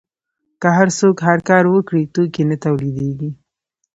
که هر څوک هر کار وکړي توکي نه تولیدیږي.